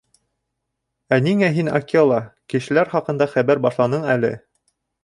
— Ә ниңә һин, Акела, кешеләр хаҡында хәбәр башланың әле?